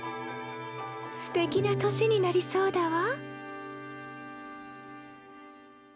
すてきな年になりそうだわ。